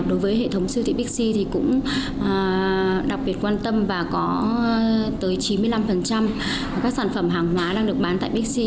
đối với hệ thống siêu thị bixi thì cũng đặc biệt quan tâm và có tới chín mươi năm các sản phẩm hàng hóa đang được bán tại bixi